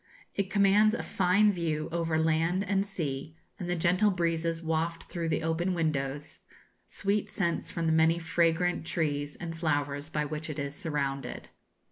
It commands a fine view over land and sea, and the gentle breezes waft through the open windows sweet scents from the many fragrant trees and flowers by which it is surrounded.